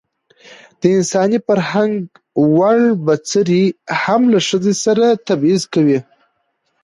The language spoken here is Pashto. د انساني فرهنګ ووړ بڅرى هم له ښځې سره تبعيض کوي.